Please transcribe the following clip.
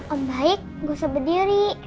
oh baik nggak usah berdiri